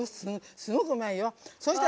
すごくうまいよ。